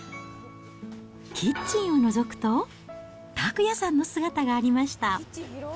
キッチンをのぞくと、拓也さんの姿がありました。